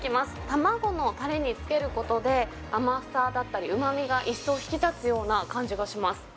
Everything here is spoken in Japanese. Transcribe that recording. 卵のたれにつけることで、甘さだったり、うまみが一層引き立つような感じがします。